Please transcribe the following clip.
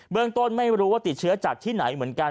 ต้นไม่รู้ว่าติดเชื้อจากที่ไหนเหมือนกัน